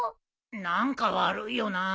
何か悪いよな。